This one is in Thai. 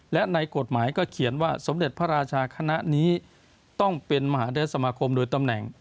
และในกฎหมายก็เขียนว่าสมเด็จพระราชาคณะนี้ต้องเป็นมหาเทศสมาคมโดยตำแหน่ง